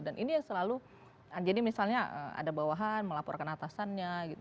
dan ini yang selalu jadi misalnya ada bawahan melaporkan atasannya gitu